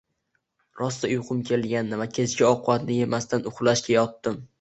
Rosa uyqum kelgandi va kechki ovqatni yemasdan uxlashga yotdim